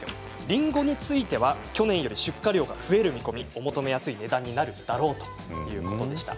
りんごについては去年より出荷量が増える見込みでお求めやすい値段になるだろうということでした。